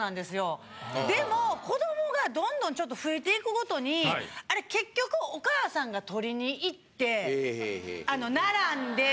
でも子どもがどんどん増えていくごとにあれ結局お母さんが取りに行って並んで。